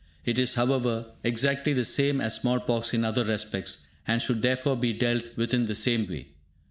It is, however, exactly the same as small pox in other respects, and should therefore be dealt with in the same way.